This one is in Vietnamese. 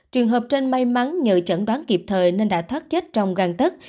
trường hợp trên may mắn nhờ chẩn đoán kịp thời nên đã thoát chết trong găng tất